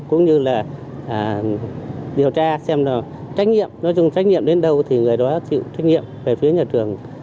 cũng như là điều tra xem là trách nhiệm nói chung trách nhiệm đến đâu thì người đó chịu trách nhiệm về phía nhà trường